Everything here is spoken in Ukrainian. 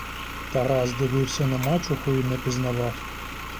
Тарас дивився на мачуху й не пізнавав.